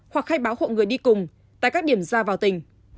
hoặc khai báo hộ người đi cùng tại các điểm ra vào tỉnh